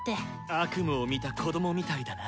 悪夢を見た子供みたいだな。